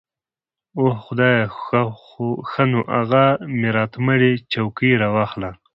اوح خدايه ښه نو اغه ميراتمړې چوکۍ راواخله.